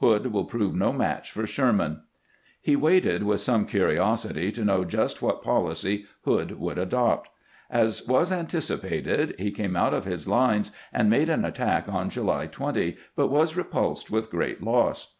Hood will prove no match for Sherman." He waited with some curiosity to know just what policy Hood would adopt. As was anticipated, he came out of his lines and made an attack on July 20, but was repulsed with great loss.